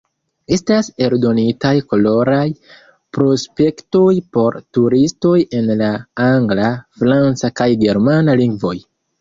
Estas eldonitaj koloraj prospektoj por turistoj en la angla, franca kaj germana lingvoj.